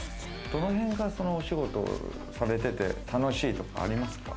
どのへんがお仕事されてて楽しいとかありますか？